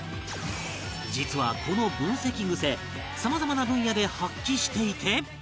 実はこの分析グセさまざまな分野で発揮していて